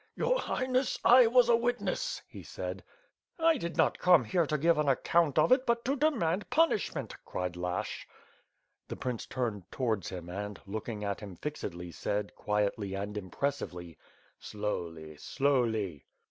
"Your Highness, I was a witness," he said. "I did not come here to gi\'^ an account of it but to de mand punishment," cried Lai?hch. "The prince turned towards him and, looking at him fixedly, said, quietly and impressively: "Slowly! slowly!"